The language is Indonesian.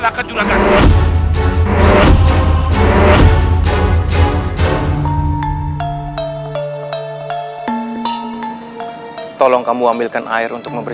aku sanjang lodaya dari kawali